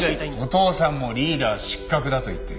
お父さんもリーダー失格だと言ってる。